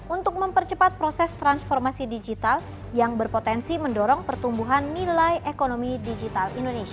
untuk mempercepat proses transformasi digital yang berpotensi mendorong pertumbuhan nilai ekonomi digital indonesia